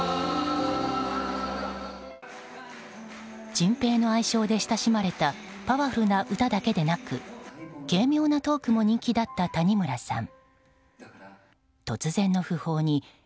チンペイの愛称で親しまれたパワフルな歌だけでなく軽妙なトークも人気だった谷村さん。